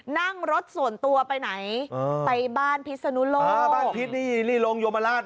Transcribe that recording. นั่งรถส่วนตัวไปเป็นบ้านพิษภูมิโลก